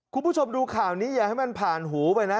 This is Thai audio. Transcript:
คุณผู้ชมดูข่าวนี้อย่าให้มันผ่านหูไปนะ